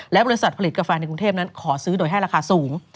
และบริษัทผลิตกาแฟในกรุงเทพนั้นขอซื้อโดยให้ราคาสูง